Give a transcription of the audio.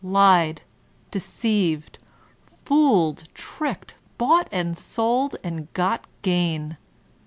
Lied, deceived, fooled, tricked, bought and sold and got gain!